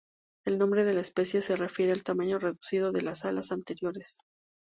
El nombre de la especie se refiere al tamaño reducido de las alas anteriores.